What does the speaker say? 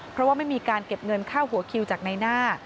เพราะว่าไม่มีการเก็บเงินค่าหัวคิวจากในหน้า